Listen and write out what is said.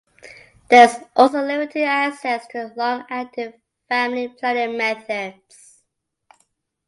There is also limited access to long-acting family planning methods.